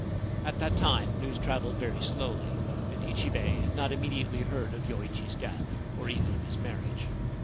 At that time news travelled very slowly, and Ichibei had not immediately heard of Yoichi's death or even of his marriage.